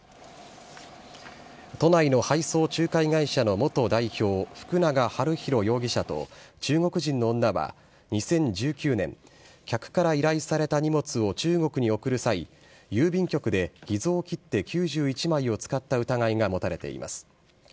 都内の配送仲介会社の元代表、福永はるひろ容疑者と中国人の女は２０１９年、客から依頼された荷物を中国に送る際、郵便局で偽造切手９１枚を使った疑いが持たれています。